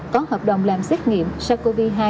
có hợp đồng làm xét nghiệm sars cov hai